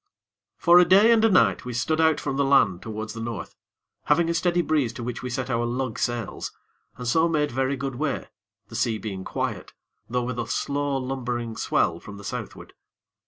For a day and a night we stood out from the land towards the North, having a steady breeze to which we set our lug sails, and so made very good way, the sea being quiet, though with a slow, lumbering swell from the Southward.